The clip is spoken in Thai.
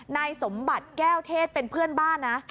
นายสมบัติแก้วเทศเป็นเพื่อนบ้านนะ